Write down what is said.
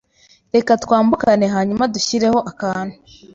Reka twambukane hanyuma dushyireho akantu